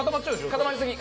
固まりすぎ！